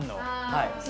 はい。